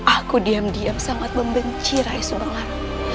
aku diam diam sangat membenci raisa bangar